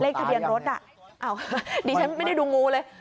เลขทะเบียนรถดิฉันไม่ได้ดูงูเลย